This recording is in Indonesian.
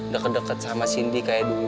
deket deket sama cindy kayak dulu